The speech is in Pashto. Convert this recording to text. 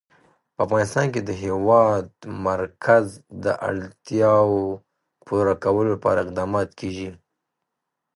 په افغانستان کې د د هېواد مرکز د اړتیاوو پوره کولو لپاره اقدامات کېږي.